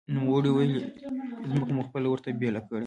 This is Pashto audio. نوموړي ویلي، ځمکه مو خپله ورته بېله کړې